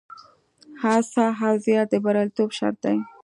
هڅه او زیار د بریالیتوب شرط دی.